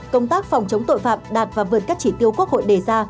công tác phòng chống tội phạm đạt và vượt các chỉ tiêu quốc hội đề ra